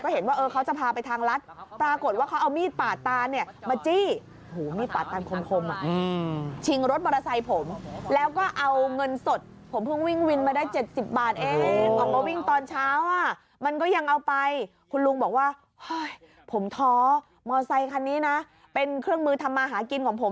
โอ้โหวิ่งตอนเช้ามันก็ยังเอาไป